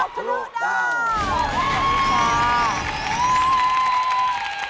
ขอบคุณต่อ